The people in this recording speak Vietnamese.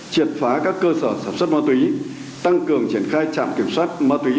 triệt phá các cơ sở sản xuất ma túy tăng cường triển khai trạm kiểm soát ma túy